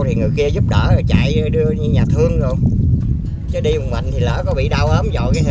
thì đi giúp đỡ rồi chạy đưa như nhà thương luôn chứ đi một mình thì lỡ có bị đau ốm dội cái